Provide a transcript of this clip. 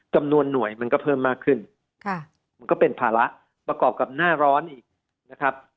จำนวนหน่วยมันก็เพิ่มมากขึ้นมันก็เป็นภาระประกอบกับหน้าร้อนอีกนะครับ